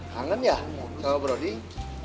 kangen ya sama broding